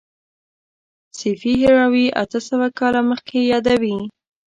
سیفي هروي اته سوه کاله مخکې یادوي.